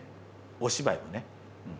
お芝居もね